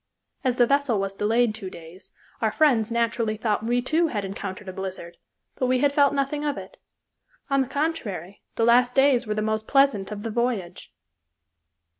As the vessel was delayed two days, our friends naturally thought we, too, had encountered a blizzard, but we had felt nothing of it; on the contrary the last days were the most pleasant of the voyage.